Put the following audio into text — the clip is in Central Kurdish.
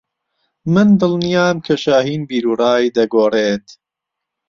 من دڵنیام کە شاھین بیروڕای دەگۆڕێت.